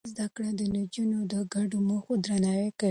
زده کړې نجونې د ګډو موخو درناوی کوي.